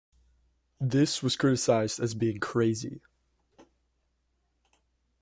This was criticised as being "crazy".